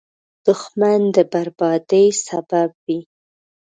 دښمن د بربادۍ سبب وي